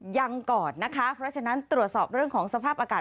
ยังก่อนนะคะเพราะฉะนั้นตรวจสอบเรื่องของสภาพอากาศ